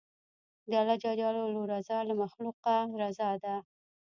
د الله رضا له مخلوقه رضا ده.